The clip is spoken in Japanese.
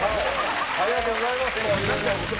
ありがとうございます、いろいろ。